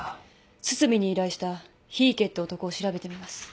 堤に依頼した檜池って男を調べてみます。